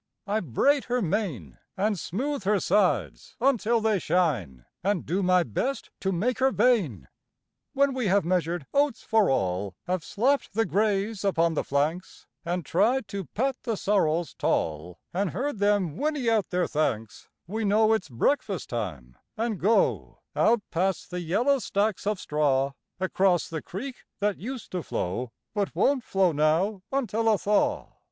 I braid her mane, An' smooth her sides until they shine, An' do my best to make her vain. When we have measured oats for all, Have slapped the grays upon the flanks, An' tried to pat the sorrels tall, An' heard them whinny out their thanks, We know it's breakfast time, and go Out past the yellow stacks of straw, Across the creek that used to flow, But won't flow now until a thaw.